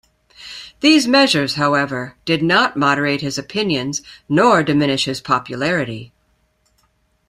These measures, however, did not moderate his opinions, nor diminish his popularity.